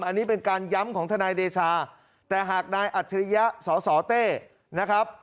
อันนี้เป็นการย้ำของทนายเดชาแต่หากนายอัจฉริยะสสเต้นะครับ